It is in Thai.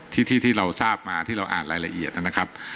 ที่เราทราบมาที่เราอ่านรายละเอียดนะครับ